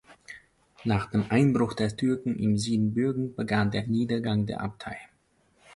Nach dem Einbruch der Türken in Siebenbürgen begann der Niedergang der Abtei.